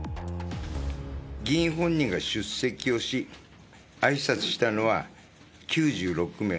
議員本人が出席をし、あいさつしたのは９６名。